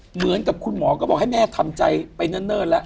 เหมือนกับคุณหมอก็บอกให้แม่ทำใจไปเนิ่นแล้ว